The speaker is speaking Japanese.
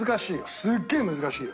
すっげえ難しいよ。